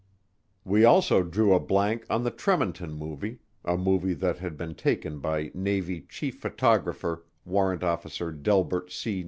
We also drew a blank on the Tremonton Movie, a movie that had been taken by a Navy Chief Photographer, Warrant Officer Delbert C.